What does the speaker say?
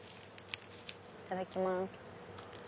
いただきます。